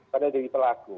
pada diri pelaku